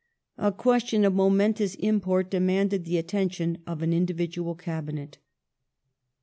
A question of momentous import demanded the attention of an individual Cabinet.